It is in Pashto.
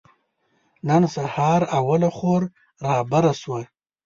نن سهار اوله خور رابره شوه.